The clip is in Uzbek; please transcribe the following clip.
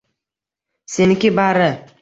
Seniki bari.